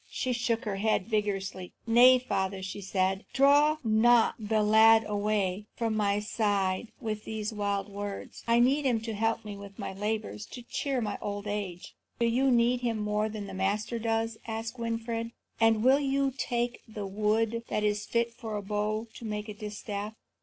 She shook her head vigorously. "Nay, father," she said, "draw not the lad away from my side with these wild words. I need him to help me with my labours, to cheer my old age." "Do you need him more than the Master does?" asked Winfried; "and will you take the wood that is fit for a bow to make a distaff?"